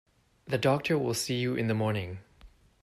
The doctor will see you in the morning.